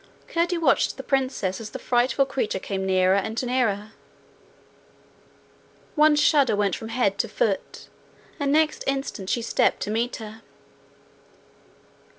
Curdie watched the princess as the frightful creature came nearer and nearer. One shudder went from head to foot, and next instant she stepped to meet her.